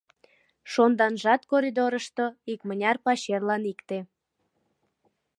Шонданжат коридорышто, икмыняр пачерлан икте.